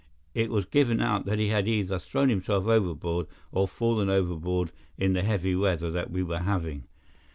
It was given out that he had either thrown himself overboard or fallen overboard in the heavy weather that we were having.